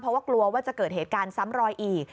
เพราะว่ากลัวว่าจะเกิดเหตุการณ์ซ้ำรอยอีก